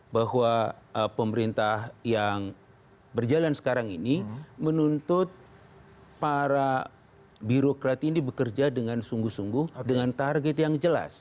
bahwa pemerintah yang berjalan sekarang ini menuntut para birokrat ini bekerja dengan sungguh sungguh dengan target yang jelas